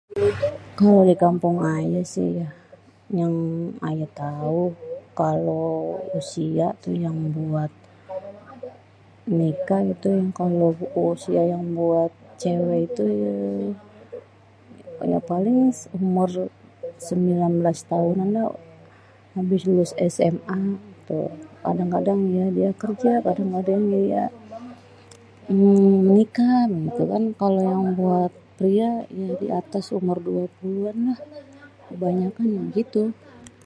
kalo dikampung ayé sih ya, nyang ayé tau, kalo usia tuh yang buat menikah itu, kalo yang usia buat céwé itu, ya paling umur ya paling umur 19 tahunan lah, abis lulus SMA tuh. Kadang-kadang dia kerja, kadang-kadang dia menikah gitu kan, kalo yang buat pria ya di atas umur 20 an lah, kebanyakan bégitu.